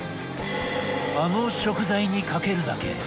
あの食材にかけるだけ！